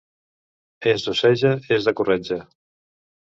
És d'Oceja, és de corretja.